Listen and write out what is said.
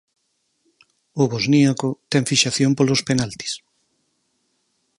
O bosníaco ten fixación polos penaltis.